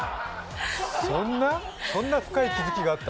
そんな深い気付きがあった？